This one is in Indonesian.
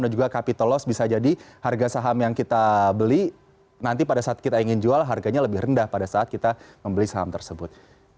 dan juga kapitalisasi bisa jadi harga saham yang kita beli nanti pada saat kita ingin jual harganya lebih rendah pada saat kita membeli saham tersebut